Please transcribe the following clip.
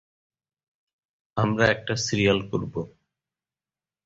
- আমরা একটা সিরিয়াল করব।